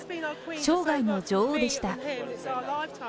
生涯の女王でした。